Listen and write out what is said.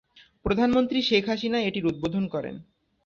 প্রধানমন্ত্রী শেখ হাসিনা এটির উদ্বোধন করেন।